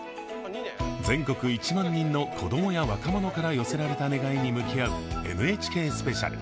全国１万人の子どもや若者から寄せられた願いに向き合うＮＨＫスペシャル。